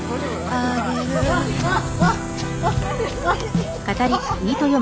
あっ。